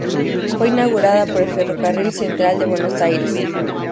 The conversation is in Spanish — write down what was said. Fue inaugurada por el Ferrocarril Central de Buenos Aires.